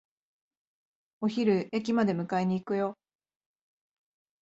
お昼、駅まで迎えに行くよ。